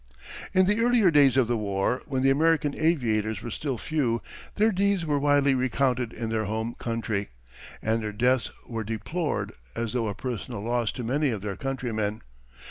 In the earlier days of the war, when the American aviators were still few, their deeds were widely recounted in their home country, and their deaths were deplored as though a personal loss to many of their countrymen.